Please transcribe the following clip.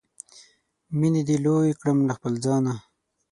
مینې دې لوی کړم له خپله ځانه